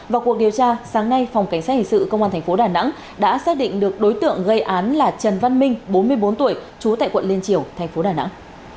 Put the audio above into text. vào cuộc điều tra sáng nay phòng cảnh sát hình sự công an tp đà nẵng đã xác định được đối tượng gây án là trần văn minh bốn mươi bốn tuổi trú tại quận liên triều thành phố đà nẵng